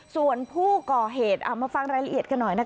ส่วนผู้ก่อเหตุเอามาฟังรายละเอียดกันหน่อยนะคะ